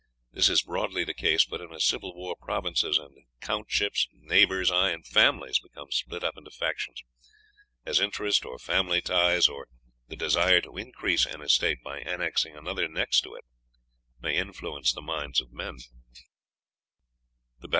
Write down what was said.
This is broadly the case, but in a civil war provinces and countships, neighbours, ay, and families, become split up into factions, as interest, or family ties, or the desire to increase an estate by annexing another next to it, may influence the minds of men.